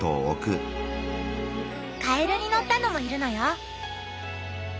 カエルに乗ったのもいるのよ。